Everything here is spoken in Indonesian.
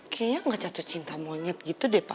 kayaknya gak jatuh cinta monyet gitu deh pa